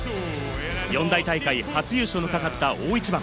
四大大会の初優勝が懸かった大一番。